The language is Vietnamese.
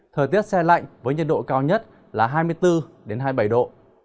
thời tiết xe lạnh với nhiệt độ cao nhất là hai mươi bốn hai mươi bảy độ